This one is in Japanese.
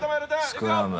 スクラム。